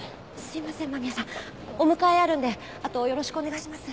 すいません間宮さんお迎えあるんであとよろしくお願いします。